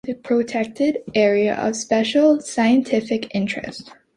It is a protected Area of Special Scientific Interest.